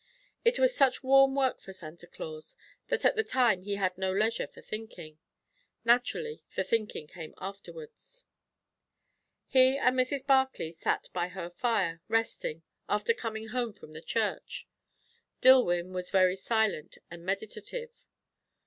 It was such warm work for Santa Claus, that at the time he had no leisure for thinking. Naturally, the thinking came afterwards. He and Mrs. Barclay sat by her fire, resting, after coming home from the church. Dillwyn was very silent and meditative.